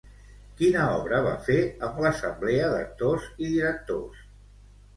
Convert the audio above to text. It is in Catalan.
Quina obra va fer amb l'Assemblea d'Actors i directors?